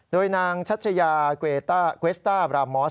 โดยนางชัชยาเกวต้าเกวสต้าบรามอส